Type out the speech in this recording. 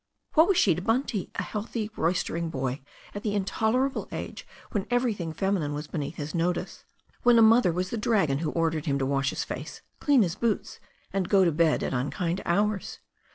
What was she to Bunty, a healthy roystering boy, a|t the intolerable age when everything feminine was beneatn his notice, when a mother was the dragon who ordered him to wash his face, clean his boots, and go to bed at unkind hours?